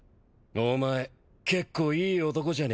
お前結構いい男じゃねえか。